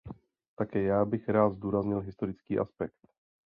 Také já bych rád zdůraznil historický aspekt.